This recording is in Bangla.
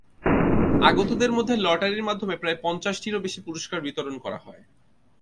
আগতদের মধ্যে লটারির মাধ্যমে প্রায় পঞ্চাশটিরও বেশি পুরস্কার বিতরণ করা হয়।